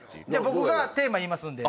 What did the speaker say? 僕がテーマ言いますんで。